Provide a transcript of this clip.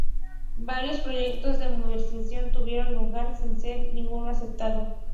Varios proyectos de modernización tuvieron lugar, sin ser ninguno aceptado.